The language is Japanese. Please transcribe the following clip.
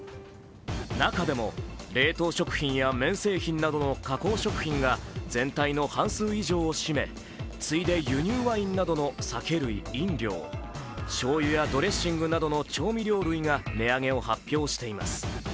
中でも冷凍食品や綿製品などの加工食品が全体の半数以上を占め次いで輸入ワインなどの酒類・飲料しょうゆやドレッシングなどの調味料類が値上げを発表しています。